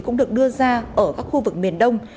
cũng được đưa ra ở các khu vực miền đông